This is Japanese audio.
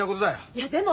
いやでも。